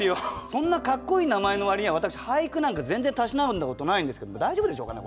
そんなかっこいい名前の割には私俳句なんか全然たしなんだことないんですけれども大丈夫でしょうかね？